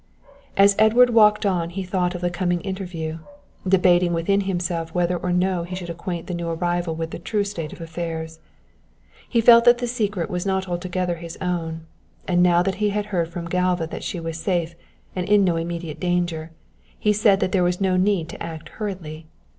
As Edward walked on he thought of the coming interview, debating within himself whether or no he should acquaint the new arrival with the true state of affairs. He felt that the secret was not altogether his own, and now that he had heard from Galva that she was safe and in no immediate danger, he said that there was no need to act hurriedly.